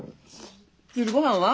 昼ごはんは？